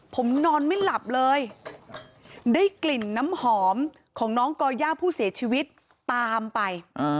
ผมนอนไม่หลับเลยได้กลิ่นน้ำหอมของน้องก่อย่าผู้เสียชีวิตตามไป